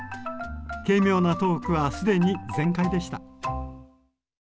軽妙なトークは既に全開でした。